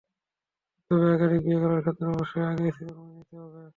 তবে একাধিক বিয়ে করার ক্ষেত্রে অবশ্যই আগের স্ত্রীদের অনুমতি নিতে হবে।